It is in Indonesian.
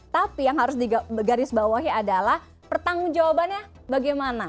tapi yang harus digarisbawahi adalah pertanggung jawabannya bagaimana